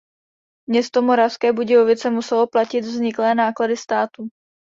Město Moravské Budějovice muselo platit vzniklé náklady státu.